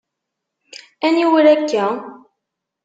Aniwer akka?